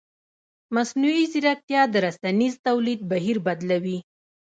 مصنوعي ځیرکتیا د رسنیز تولید بهیر بدلوي.